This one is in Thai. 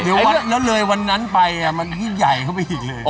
เดี๋ยวเลยวันนั้นไปมันยิ่งใหญ่เข้าไปอีกเลย